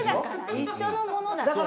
一緒のものだから。